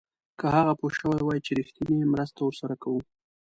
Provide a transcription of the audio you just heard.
که هغه پوه شوی وای چې رښتینې مرسته ورسره کوو.